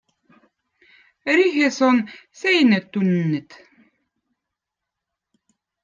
Rihez on seinetunnid.